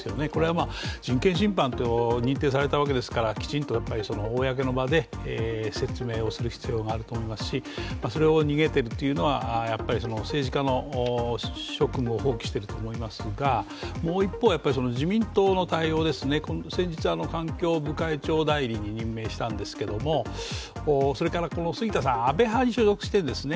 人権侵犯と認定されたわけですから、きちんと公の場で説明をする必要があると思いますしそれを逃げているというのは政治家の職務を放棄していると思いますがもう一つは自民党の対応ですね、先日環境部会長代理に任命したんですけれどもそれから杉田さん、安倍派に所属してるんですね。